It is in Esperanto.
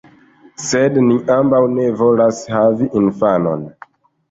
Sed ni ambaŭ ne volas havi infanon.